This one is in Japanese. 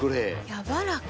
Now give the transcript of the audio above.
やわらか。